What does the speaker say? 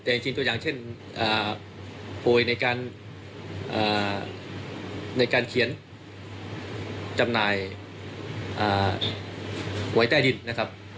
แต่จริงตัวอย่างเช่นโปรยในการในการเขียนจำหน่ายหวยใต้ดินนะครับ